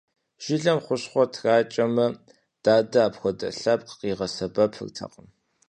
Жылэм хущхъуэ тракӀэмэ, дадэ апхуэдэ лъэпкъ къигъэсэбэпыртэкъым.